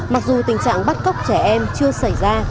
mặc dù tình trạng bắt cóc trẻ em chưa xảy ra